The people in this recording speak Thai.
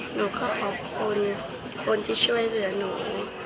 หนูก็ขอบคุณคนที่ช่วยเหลือหนู